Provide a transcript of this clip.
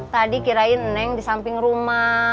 tadi kirain neng di samping rumah